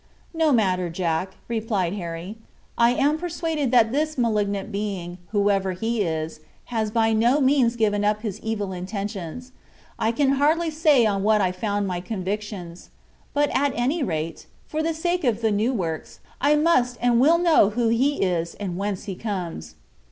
"No matter, Jack," replied Harry; "I am persuaded that this malignant being, whoever he is, has by no means given up his evil intentions. I can hardly say on what I found my convictions. But at any rate, for the sake of the new works, I must and will know who he is and whence he comes."